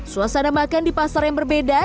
suasana makan di pasar yang berbeda